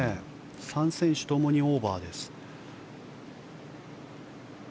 ３選手ともにオーバーです。